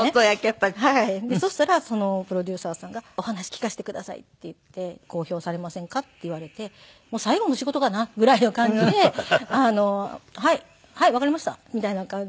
そしたらそのプロデューサーさんが「お話聞かせてください」って言って「公表されませんか？」って言われて最後の仕事かなぐらいの感じで「はい。はい。わかりました」みたいな感じで。